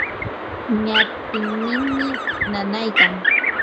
ñatinninmi nanaykan.